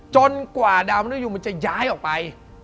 จนกว่าเดามนุษยุมันจะย้ายออกไป